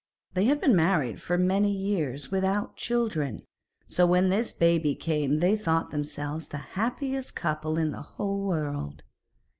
They had been married for many years without children, so when this baby came they thought themselves the happiest couple in the whole world.